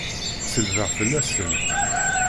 Selbeɣ fell-asent!